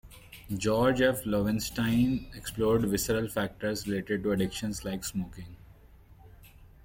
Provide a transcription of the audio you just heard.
George F. Loewenstein explored visceral factors related to addictions like smoking.